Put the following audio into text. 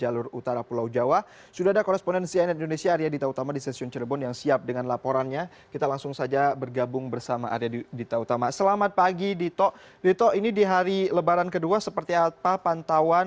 lito ini di hari lebaran kedua seperti apa pantauan